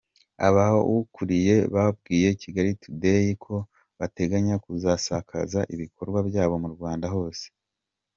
Abawukuriye babwiye Kigali Tudeyi ko bateganya kuzasakaza ibikorwa byabo mu Rwanda hose.